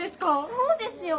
そうですよ。